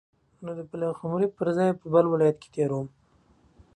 نو د پلخمري پر ځای به بل ولایت کې تیروم.